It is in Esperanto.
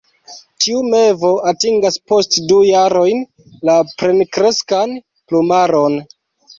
Tiu mevo atingas post du jarojn la plenkreskan plumaron.